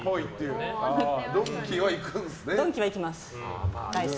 ドンキは行きます。